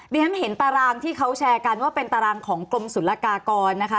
เรียนเห็นตารางที่เขาแชร์กันว่าเป็นตารางของกรมศุลกากรนะคะ